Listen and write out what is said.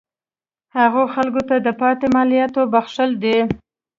هغه خلکو ته د پاتې مالیاتو بخښل دي.